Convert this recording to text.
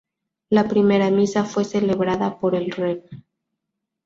La primera misa fue celebrada por el Rev.